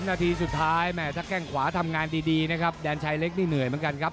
นาทีสุดท้ายแม่ถ้าแข้งขวาทำงานดีนะครับแดนชายเล็กนี่เหนื่อยเหมือนกันครับ